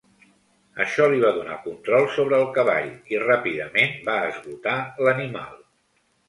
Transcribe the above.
Això li va donar control sobre el cavall i ràpidament va esgotar l'animal.